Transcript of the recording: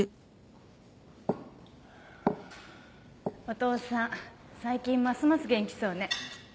お父さん最近ますます元気そうね。